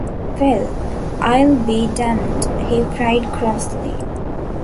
“Well, I’ll be damned!” he cried crossly.